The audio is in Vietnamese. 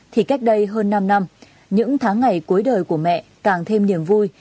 thì cách đây hơn năm năm những tháng ngày cuối đời của mẹ càng thêm niềm vui